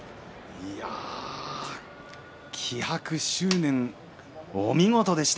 いや気迫、執念お見事でした。